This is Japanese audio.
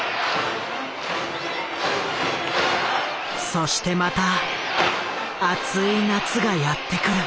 そしてまた熱い夏がやって来る。